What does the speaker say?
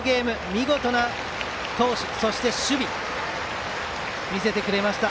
見事な投手、そして守備を見せてくれました。